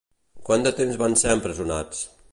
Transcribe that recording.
Quant de temps van ser empresonats?